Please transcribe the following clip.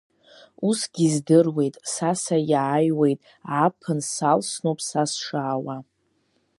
Усгьы издыруеит, са саиааиуеит, ааԥын салсноуп са сшаауа.